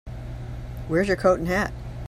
Where's your coat and hat?